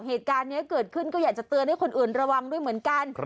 เหตุการณ์นี้เกิดขึ้นก็อยากจะเตือนให้คนอื่นระวังด้วยเหมือนกัน